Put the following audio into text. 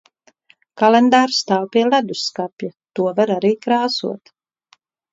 Kalendārs stāv pie ledusskapja. To var arī krāsot.